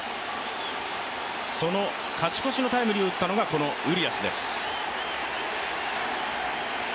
その勝ち越しのタイムリーを打ったのがこのウリアスです。